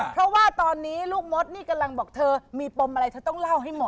เพราะว่าตอนนี้ลูกมดนี่กำลังบอกเธอมีปมอะไรเธอต้องเล่าให้หมด